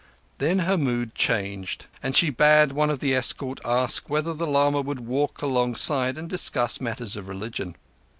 Then her mood changed, and she bade one of the escort ask whether the lama would walk alongside and discuss matters of religion.